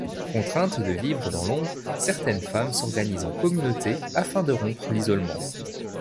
Contraintes de vivre dans l'ombre, certaines femmes s'organisent en communauté afin de rompre l'isolement.